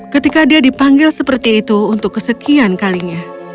ketika dia dipanggil seperti itu untuk kesekian kalinya